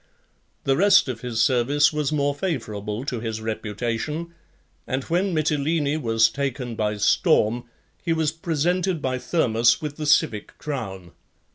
The rest of his service was more favourable to his reputation; and (3) when Mitylene was taken by storm, he was presented by Thermus with the civic crown.